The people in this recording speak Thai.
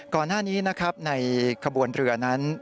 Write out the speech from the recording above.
ก่อนหน้านี้นะครับในขบวนเรือนั้น